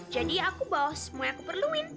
jadi aku bawa semua yang aku perluin